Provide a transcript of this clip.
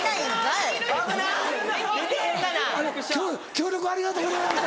協力ありがとうございました。